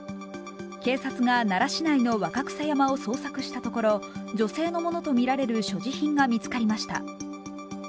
警察が奈良市内の若草山を捜索したところ女性のものとみられる所持品が見つかりました。